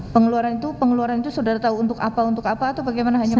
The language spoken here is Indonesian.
pengeluaran itu pengeluaran itu saudara tahu untuk apa untuk apa atau bagaimana hanya